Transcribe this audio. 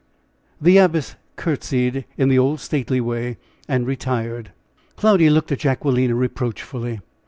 The Abbess curtsied in the old stately way, and retired. Cloudy looked at Jacquelina reproachfully.